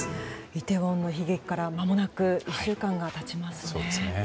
イテウォンの悲劇からまもなく１週間が経ちますね。